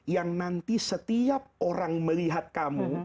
yang nanti setiap orang melihat kamu